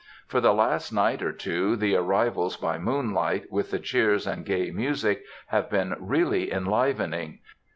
For the last night or two, the arrivals by moonlight, with the cheers and the gay music, have been really enlivening.